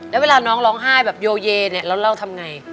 แล้วเวลาน้องร้องไห้แบบโยเยเนี่ยเราเล่าทำไง